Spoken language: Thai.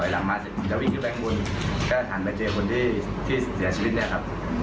ระหว่างนั้นพยายามวิ่งหนีขึ้นรถ